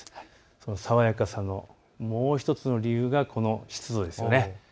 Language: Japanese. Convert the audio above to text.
その爽やかさのもう１つの理由が湿度です。